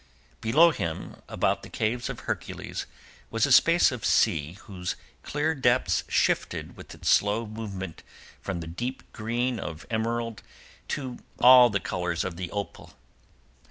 Below him about the caves of Hercules was a space of sea whose clear depths shifted with its slow movement from the deep green of emerald to all the colours of the opal.